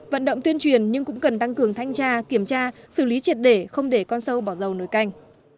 vận động tuyên truyền nhưng cũng cần tăng cường thanh tra kiểm tra xử lý triệt để không để con sâu bỏ dầu nổi canh